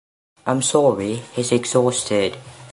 I’m sorry, he’s exhausted.